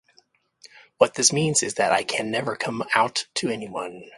What this means is that I can never come out to anyone.